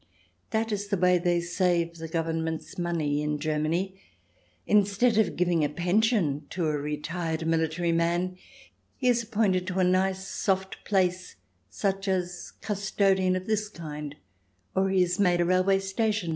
That is the way they save the Govern ment's money in Germany.* Instead of giving a pension to a retired military man, he is appointed to a nice soft place such as custodian of this kind, or he is made a railway station master.